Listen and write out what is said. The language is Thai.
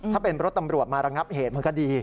ถ้าเป็นรถตำรวจมาระงับเหตุมันก็ดี